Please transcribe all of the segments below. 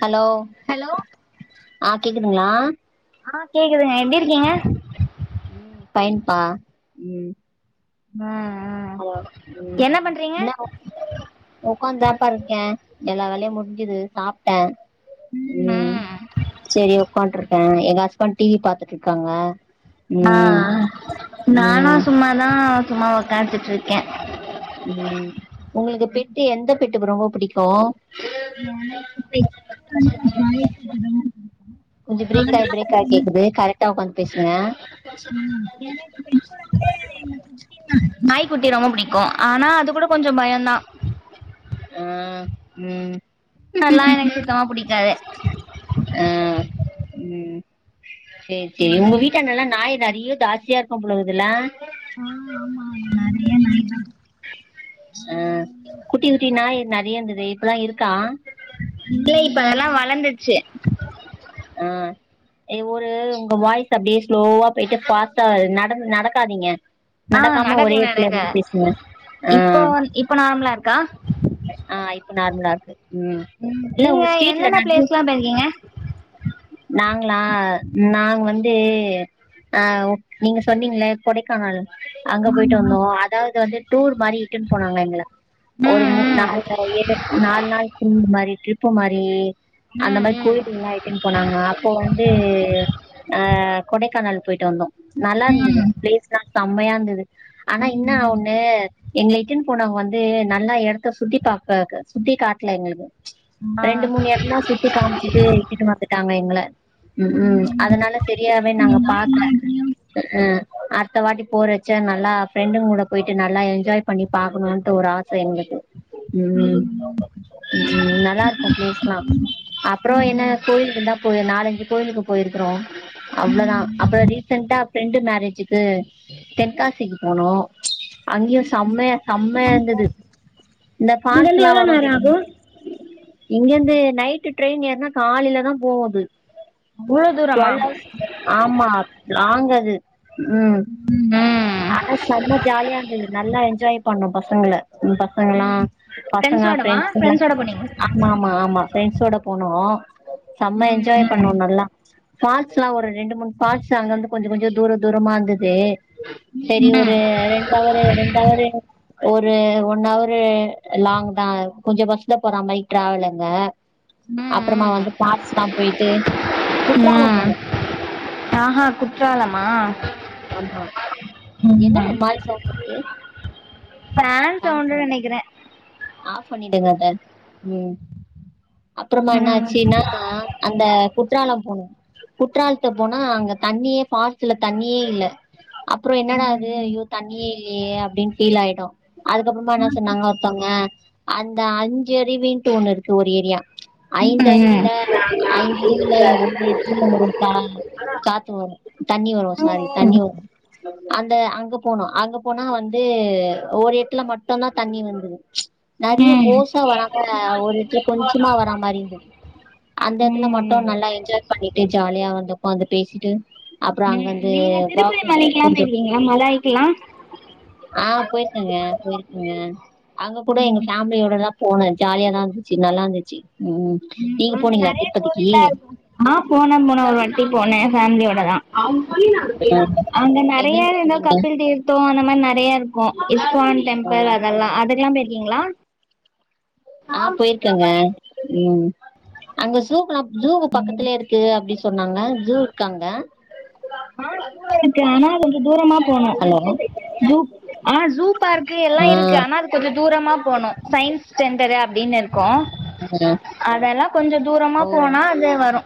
Hello hello ஆ கேக்குதுங்களா ஆ கேக்குதுங்க எப்டி இருக்கீங்க ம் ஃபைன்பா ம் ஆ ஆ ஹலோ ம் நவ் உக்காந்தாப்பா இருக்கே எல்லா வேலையு முடிஞ்சுது சாப் ட ம் செரி உக்கான்ட்ருக்கே எங்க ஹஸ்பண்ட் டி வி பாத்துட்ருக்காங்க ஆ நானா ம் சும்மாதா சும்மா உக்காந்துட்ருக்கே உங்களுக்கு பெட்டு எந்த பெட்டுக்கு ரொம்ப புடிக்கு எனக்கு [unintelligible] கொஞ்சம் பிரேக் ஆகி பிரேக் ஆகி ஆனா கேக்குது கரெக்டா உக்காந்து பேசுங்க ஆ எனக்கு பெட்டு வந்து நாய் குட்டி ரொம்ப பிடிக்கும் ஆனா அது கூட கொஞ்சோ பயோந்தா ஆ ம் அதெல்லா எனக்கு சுத்தமா புடிக்காது ஆ ம் சேர் சேரி உங்க வீட்டான்டல்லா நாய் நெறைய ஜாஸ்தியா இருக்கு புலுவுதுல ஆ ஆமா அங்க நறையா நைய் தா ஆ குட்டி குட்டி நாய் நெறைய இருந்தது இப்பல்லா இருக்கா இல்ல இப்ப அதெல்லா வளந்துர்ச்சு ஆ ஏ ஒரு உங்க வாய்ஸ் அப்படியே ஸ்லோவா போயிட்டு பாஸ்ட்டா நடந்து நடக்காதீங்க ஆ நடக்காம நடக்கு ஒரே இடல நடக்க இருந்து பேசுங்க ஆ இப்போ இப்ப நார்மலா இருக்கா ஆ இப்ப நார்மலா இருக்கு ம் இல்ல உங்க ஸ்ட்ரீட்ல நடந்துப் எங்க இருக்கீங்க நாங்களா நாங்க வந்து அ நீங்க சொன்னீங்கள கொடைக்கானல் அங்க போய்ட்டு ஆமா. வந்தோ அதாவது வந்துட் டூர் மாரி இட்டுன்னு போனாங்க எங்கள ஒரு ம், மூ ம். நால்ர ஏழு நாலு நாள் டூர் மாரி ட்ரிப் ப்பு மாறி அந்த ம், மாறி ம். கோயிலுக்கு முன்னா போனாங்க அப்போ வந்து ஆ கொடைக்கானல் போயிட்டு வந்தோ நல்லா இருந்தது ம். பிளேஸ்லா செம்மையா இருந்தது ஆனா இன்ன ம். ஒண்ணு எங்கள இட்டுன்னு போனாவங்க வந்து நல்லா இடத்த சுத்தி பாக்க சுத்தி காட்டல எங்ளுக்கு ஆ. ரெண்டு மூணு இட தா சுத்தி காம்ச்சுட்டு கூட்டிட்டு வத்துட்டாங்க எங்கள ம் அதனால சேரியாவே கோயிலுக்குன்னா நாங்க எல்லா பாக்கல இடத்துலயும் ம் அடுத்த வாட்டி போறச்ச நல்லா ஃப்ரெண்டுங்க கூட போயிட்டு நல்லா என்ஜாய் பண்ணி பாக்கணுனுட்டு ஒரு ஆசை எங்களுக்கு ம் ம் நல்லா இருக்கும் ஃபிலேஸ்லா அப்பறம் என்ன கோயிலுக்குதா ஒரு நாலு அஞ்சு கோயிலுக்கு போயிருக்கிறோ அவ்ளோதா அப்பறம் ரீசென்டா ஃப்ரெண்டு மேரேஜுக்கு தென்காசிக்கு போனோ அங்கயும. சம் செம்மைய செம்மைய இருந்தது இந்த இங்கேருந்து ஃபால்ஸ்ல்லா எவ்வளோ வரும் நேரம் தெரியுமா ஆகும் இங்கிருந்து நைட்டு் ட்ரெயின் ஏர்னா காலையிலதா போவு அது இவ்வளோ தூரமா? டுவேல் ஹவர்ஸ் ஆமா லாங் அது ம் ம் ஆனா செம்ம ஜாலியா இருந்தது நல்லா என்ஜாய் பண்ணோ பசங்கள ஃபுல்லா ங்களா பசங்க ஃப்ரெண்ட்ஸோடவா? ஃப்ரொண்ட்ஸ் கெல்லா ஃப்ரெண்ட்ஸோட போனீங்க? ஆமா ஆமா ஆமா ஃப்ரெண்ட்ஸ்வோட போனோ செம்ம ம், என்ஜாய் பண்ணோ நல்லா ஃபாட்ஸ்ல்லா ஒரு ரெண்டு மூணு ஃபாட்ஸ் அங்க அங்க கொஞ்சோ கொஞ்சோ தூர தூரமா இருந்தது சேரி ம். ஒரு ம், ரெண்டு அவரு ரெண்டு அவரு ஒரு ஒன் ஹாவாரு லாங் தா கொஞ்சோ பஸ்ல போறா மாறி டிராவலுங்க அப்பறமா வந்து ம், பாத்ல்லா போயிட்டு குற்றாலோ போனோ ஆ குற்றாலமா ஆமா என்ன ஓரு மாறி சவுண்ட் இது ஃபேன் சவுண்டு நெனைக்கிறே ஆப் பண்ணிடுங்க அத ம் அப்பறமா என்ன ம் ஆச்சுன்னா அந்த குற்றாலோ போனோ குற்றாலத்தை போனா அங்க தண்ணியே பால்ஸ்ல தண்ணி யே இல்ல அப்பறோ என்னடா ம், இது ம். ஐயோ தண்ணியே இல்லையே அப்டின்னு ஃபீல் ஆயிடோ அதுக்கப்பறமா என்ன ம், சொன்னாங்க ஒருத்தவங்க அந்த அஞ்சு ரீ ரீங் டேனு ஒரு ஏரியா ஐந்து ம். அருவில ஐந்து அருவில ஒரு இடத்துல ஒரு காத்து வரோ தண்ணி வரோ சாரி ம், தண்ணி வரோ அந்த அங்க போனோ அங்க போனா வந்து ஒரு எடத்துல மட்டுதா தண்ணி வந்து நெறைய ம், பேசா வராம ஒரு எடத்துல கொஞ்சமா வரா மாரி இருந்தது அந்த இடத்துல மட்டு ம். நல்லா என்ஜாய் பண்ணிட்டு ஜாலியா வந்து உக்காந்து பேசிட்டு அப்பறோ அங்க நீங்க திருப்தி மலைக்குலா போய்க்கீறிங்களா மலாய்க்கல்லா ஆ போயிருக்கங்க போயிருக்கங்க அங்க கூட எங்க ஃபேமிலியோட எல்லா போனே ஜாலியாதா இருந்துச்சி நல்லா இருந்துச்சி ம் நீங்க அங்க போனீங்களா நிறைய திருப்பதிக்கி கோவில்ல ஆ போனே போன ஒரு வாட்டி போனே ஃபேமிலியோட தா ஆ அங்க நெறைய எங்கங்க இந்த போனீங்க கப்பில் தீர்த்தோ அந்த மாரி நெறைய இருக்கு இஸ்கான் டெம்பிள் அதெல்லா அதெல்லா போயிருக்கீங்களா ஆ போயிருக்கேங்க ம் அங்க சூப்ரா எல்லா ஜூ பக்கத்துலயே இருக்கு அப்டின்னு சொன்னாங்க ஜூ இருக்கா அங்க ஆ சூ இருக்கு ஆனா கொஞ்சோ தூரமா போனூ ஹலோ ஜூட் ஆ ஜூ பார்க்கு எல்லா ஆ இருக்கு ஆனா அதுக் கொஞ்ச தூரமா போனூ சயின்ஸ் ஸ்டெண்டரு அப்டின் இருக்கூ ஆ அதெல்லா கொஞ்ச தூரமா ஓ போனா அதே வரூ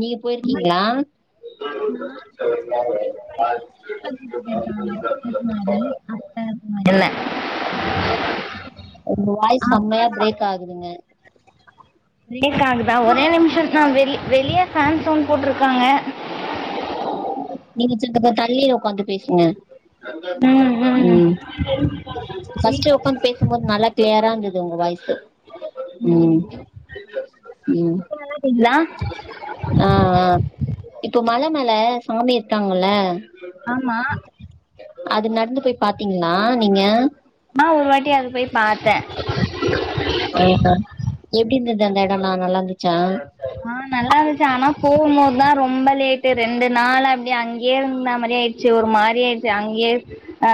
நீங்க போயிருக்கீங்களா நா ஃப்ரெண்ட்ஸ் கூட சேர்ந்து ஒரு டீ ஸ்கூல்ல [inaudible] இல்ல உங்க வாய்ஸ் செம்மையா பிரேக் ஆகுதுங்க பிரேக் ஆகுதா ஒரே நிமிஷோக்கா வெள் வெளிய ஃபேன் சவுன்ட் போட்ருக்காங்க நீங்க சத்த ப தள்ளி ஒக்காந்து பேசுங்க ம் ம் உம் ஃபஸ்ட்டே ஒக்காந்து பேஸ் சும்போது நல்லா கிளியரா இருந்தது உங்க வாய்சு உம் உம் இப்ப நல்லா கேக்குதா ஆ ஆ இப்போ மல மேல சாமி இருக்காங்கல ஆமா அது நடந்து போய் பாத்தீங்ளா நீங்க நா ஒரு வாட்டி அது போய் பாத்தே ஆஹா எப்டிருந்தது அந்த எடோல்லா நல்லாருந்துச்சா ஆ நல்லாருக்கு ஆனா போகும்போதுதா ரொம்ப லேட்டு ரெண்டு நாள் அப்டி அங்கயே இருந்த மாரி ஆய் சி ஒரு மாரி ஆயிருச்சி அங்கயே அ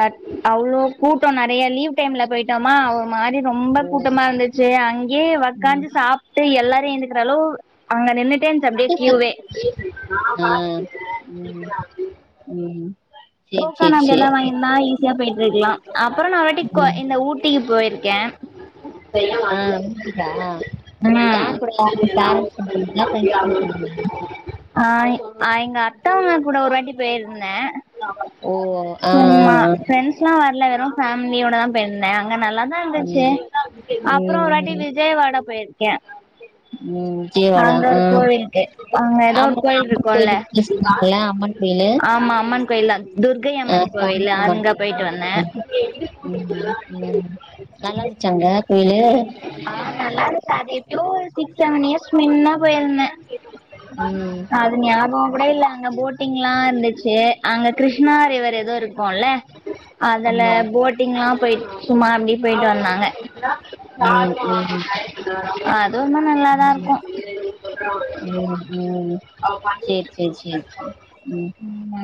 அவ்ளோ கூட்டோ நெறையா லீவ் டைம்ல போயிட்டோமா ஒ மாரி ரொம்ப ம் கூட்டமா இருந்துச்சி அங்கயே ம் ஒக்காந்து சாப்ட்டு எல்லாரு எந்திக்கிற அளவு அங்க நின்னுட்டேருந்துச்சி அப்டியே கியூவே உம் டோக்கன் அங்க எதா வாங்கிருந்தா ஈஸியா போயிட்ருக்லா அப்பறோ நா வாட்டிக் கொ ம் இந்த ஊட்டிக்கி போயிருக்கே ஆ ஊட்டிக்கா [unintelligible] யார் கூடலா ஒங்க ஃபேரண்ஸ் கூட போனீங்லா ஃப்ரெண்ட்ஸ் கூட போனீங்லா ஹாய் ஆ எங்க அத்த மாமாக்கூட ஒரு வாட்டி பேயிருந்தே ஓ ஆ ஆ சும்மா ஆ ஃப்ரெண்ட்ஸ்லா வரல வெறு ஃபேம்லியோடதா போயிருந்தே அங்க நல்லாத் தா இருந்துச்சு ம் அப்றோ ம் ஒரு வாட்டி விஜயவாடா போயிருக்கே உம் விஜயவாடா அங்க ஆ ஒரு கோவிலுக்கு அங்க ஏதோ ஒரு ஆமாங்க கோயில் அம்மன் இருக்குல்ல கோயில் [unintelligible] அம்மன் தினு கோயிலா துர்க்கையம்மன் கோயிலு அங்க போயிட்டு வந்தே உம் உம் நல்லாருந்துச்சா அங்க கோயிலு ஆ நல்லாருந்ச்சி அது எப்யோ ஒரு சிக்ஸ் செவன் இயர்ஸ் மின்ன போயிருந்தே உம் ஞாபகோ கூட இல்ல அங்க போட்டிங்லா இருந்துச்சி அங்க கிருஷ்ணா ரிவர் எதோ இருக்கூல அதுல ஆமா போட்டிங்லா போயிட் சும்மா அப்டீ போயிட்டு வந்தாங்க உம் உம் அதுவுமே நல்லாதா இருக்கு உம் உம் சேர் சேர் சேர் சேர் ம்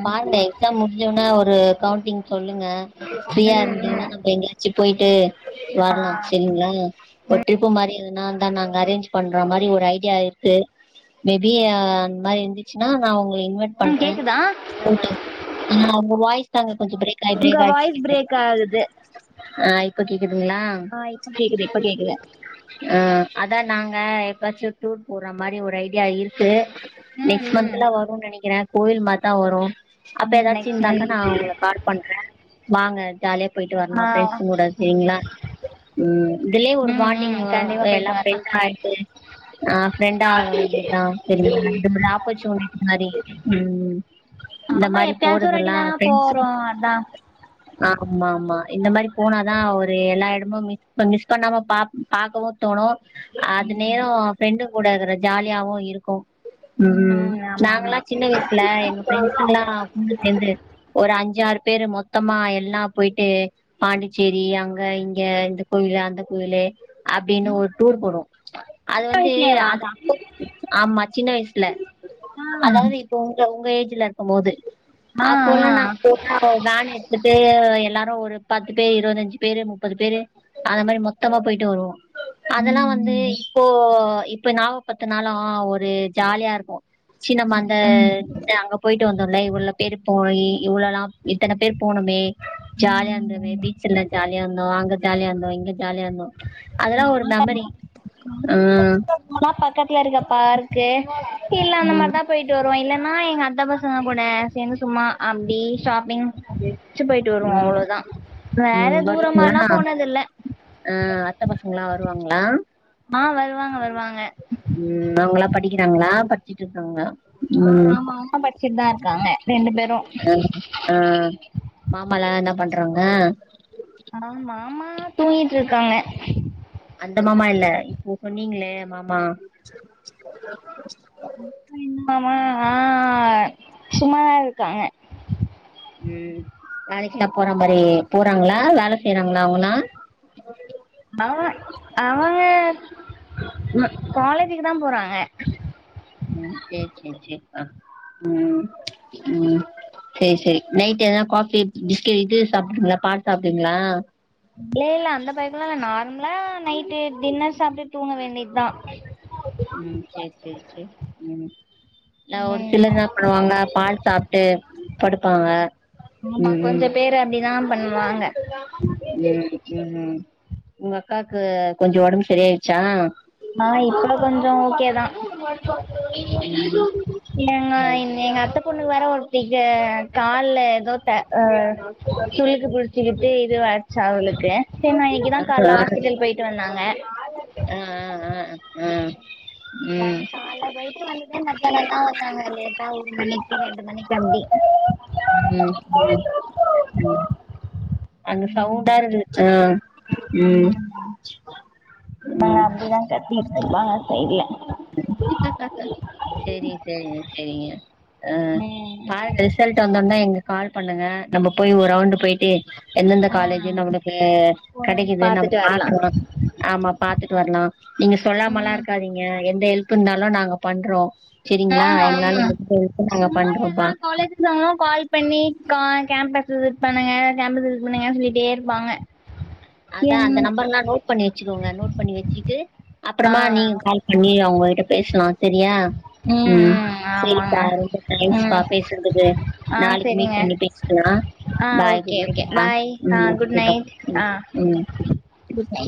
பாருங்கே சாம் முடிஞ்சோன ஒரு கவுண்டிங் சொல்லுங்க ஃப்ரீயா இருந்தீங்னா நம்ம எங்கயாச்சு போயிட்டு வர்லா செரிங்ளா ஒரு ட்ரிப்பு மாரி எத நாந்தா நாங்க அரேஞ்ச் பண்ற மாரி ஒரு ஐடியா இருக்கு மேபி அந்மாரி இருந்துச்சுனா நா உங்ள இன்வ ம் கேக்குதா ஆ ஒங்க வாய்ஸ் தாங்க கொஞ்சோ பிரேக் ஆயி உங்க பிரேக் ஆயி வாய்ஸ் கேக்குது பிரேக் ஆகுது ஆ இப்ப கேக்குதுங்ளா ஆ இப்ப கேக்குது இப்ப கேக்குது அ அதா நாங்க எப்பாச்சு டூர் போற மாரி ஒரு ஐடியா இருக்கு நெக்ஸ்ட் ம் மந்த்லா வரும்னு நெனைக்கிறே கோயில் மாதா வரு அப்ப ம் எதாச்சு நெக்ஸ்ட் இருந்தாக்கா நா மந்த் உங்ள கா ல் பண்றே வாங்க ஜாலியா போயிட்டு ஆ வரணு ப்ரெண்ட்ஸ கூட சேரிங்களா உம் இதுலே ஒரு ம் ம் பாண்டிங் கண்டிப்பா எல்லா போயிட்டு வரலா ப்ரெண்டு ஆயிட்டு ஆ ப்ரெண்ட் ஆக வேண்டியதா சரிங்களா இது ஒரு ஆப்பர்ச்சூனிடி மாரி உம் ஆமா எப்பயாச்சு ஒரு வாட்டி தான போறோ அதா ஆம்மா ஆம்மா இந்த மாரி போனாதா ஒரு எல்லா எடமு மிஸ் மிஸ் பண்ணாம பா பாக்கவு தோணு அது ம் நேரோ ஃப்ரெண்டுங்கூட இருக்ற ஜாலியாவு இருக்கு உம் ம் ஆமா நாங்கல்லா ஆமா சின்ன வயசுல எங்க ஃப்ரெண்ஸ்ங்கல்லா ஒண்ணு சேந்து ஒரு அஞ்சாறு பேரு மொத்தமா எல்லா போயிட்டு பாண்டிச்சேரி அங்க இங்க இந்த கோயிலு அந்த கோயிலு அப்டின்னு ஒரு டூர் போனோ அது சின்ன வந்து வயசுலேவா அது ஆமா சின்ன வயசுல ஆ அதாவ்து இப்ப உங்க உங்க ஏஜ்ல இருக்கு போது அப்போல்லா ஆ நாங் போ நாங்க ஒரு வேன் எத்துட்டு எல்லாரு ஒரு பத்து பேரு இருவத்தஞ்சு பேரு முப்பது பேரு அத மாரி மொத்தமா போயிட்டு வருவோ அதெல்லா வந்து இப்போ இப்ப நாவ பத்துனாலு ஒரு ஜாலியா இருக்கு ச்சி நம்மந்த அங்க போயிட்டு வந்தோல இவ்ளோ பேரு போயி இவ்ளோல்லா இத்தன பேர் போனமே ஜாலியா இருந்தம பீச் எல்லா ஜாலியா இருந்தோ அங்க ஜாலியா இருந்தோ இங்க ஜாலியா இருந்தோ அதெல்லா நா [inaudible] ஒரு மெமரி ஆ நாளா பக்கத்துல இருக்க பார்க்கு இல்ல அந்த ம் மாரிதா போயி ட்டு வருவோ இல்லன்னா எங்க அத்த பசங்க கூட சேந்து சும்மா அப்டி ஷாப்பிங் ருச்சு போயிட்டு வருவோ ம் அவ்ளோதா வேற ம் தூரமாலா வருவாங்களா போனதில்ல ஆ அத்த பசங்களா வருவாங்களா ஆ வருவாங்க வருவாங்க ம் அவங்களாம் படிக்கிறாங்களா படிச்சுட் இருக்காங்களா ஆமா ஆமா படிச்சிட்தா இருக்காங்க ரெண்டு பேரு ஆ மாமால்லா என்னா பண்றாங்க ஆ மாமா தூங்கிட்டிருக்காங்க அந்த மாமா இல்ல இப்போ சொன்னீங்ளே மாமா இப்ப மா ஆ சும்மாதா இருக்காங்க ம் வேலைக்குல்லா போற மாரி போறாங்ளா வேல செய்றாங்ளா அவுங்களா அவ அவங்க காலேஜுக்கு தா போறாங்க ம் சேர் சேர் சேர்ப்பா ம் ம் சேரி சேரி நைட் எதா காஃபி பிஸ்கெட் இது சாப்பிடுவிங்ளா பால் சாப்டுவிங்ளா இ இல்ல அந்த பழோக்கலால நார்மலா நைட்டு டின்னர் சாப்ட்டு தூங்க வேண்டிய தா ம் சேரி சேரி சேரி ம் ஒரு ம். சிலர் எனா பண்ணுவாங்க பால் சாப் ட்டு படுப்பாங்க ஆமா கொஞ்ச ம் பேர் அப்டிதா பண்வாங்க ம் ம் ம் உங்க அக்காக்கு கொஞ்சோ ஒடம்பு சரியாயிரிச்சா ஆ இப்ப கொஞ்சொ ஓகே தா ம் ஏங்க ம் இங்க எங்க அத்த பொண்ணுக்கு வேர ஒருத்திக்கு கால்ல எதோ பெ சுளுக்கு புடுச்சுக்கிட்டு இது வே இன்னைக்குதா ஆ கால்ல ஹாஸ்பிட்டல் போயிட்டு வந்தாங்க அ அ அ அ அ வந்து காய பேய்ட்டு வந்ததே மத்தியானந்தா வந்தாங்க லேட்டா ஒரு மணிக்கு ரெண்டு மணிக்கு அப்டி ம் ம் ம் அங்க ம். சவுண்டா இருக்கு ம் அவ ம் அப்டிதா கத்திகிட்ருப்பா சைட்ல சேரி சேரிங்க சேரிங்க ஆ ம். பாரு ரிசல்ட்டு வந்தோன எங்க கால் பண்ணுங்க நம்ம போய் ஒரு ரவுண்டு் போயிட்டு எந்தெந்த ஆ, காலேஜு நம்மளுக்கு ஒரு வாட்டி கெடைக்கிது நம்ம பாத்துட்டு வரலாம் பாக்கணுல்ல ஆமா பாத்துட்டு வர்லா நீங்க சொல்லாமல்லா ம். இருக்காதீங்க எந்த ஹெல்ப் இருந்தாலு நாங்க பண்றோ ஆ, செரிங்ளா எங்களால ஆமா. [unintelligible] நாங்க சும்மா எல்லா பண்றோம்ப்பா [unintelligible] கால் பண்ணி கா கேம்பஸ் விசிட் பண்ணுங்க கேம்பஸ் விசிட் பண்ணுங்க அப்டி சொல்லிட்டே இருப்பாங்க அதா அந்த என்ன நம்பர்ல்லா நோட் பண்ணி வெச்சுக்கோங்க நோட் பண்ணி வெச்சிட்டு ஆ அப்பறமா நீங்க கால் பண்ணி அவுங்ககிட்ட பேஸ்லா செரியா ம் செரிப்பா ரொம்ப தேங்ஸ் பா ம் பேசுறதுக்கு ஆ நாளைக்கு மீட் சரிங்க பண்ணி பேஸ்லா ஆ ஓகே ஓகே பாய் ஆ குட் ஓகேப்பா நைட் ம் ம் ஆ